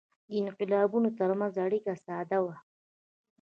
د انقلابونو ترمنځ اړیکه ساده وه.